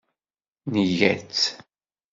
Nga-tt.